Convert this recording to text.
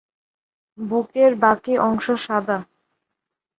বুকের বাকি অংশ সাদা।